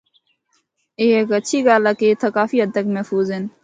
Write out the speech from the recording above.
اے ہک ہچھی گل ہے کہ اِتھا کافی ہد تک محفوظ ہن۔